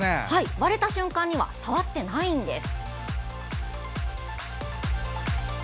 割れた瞬間には触っていないんです。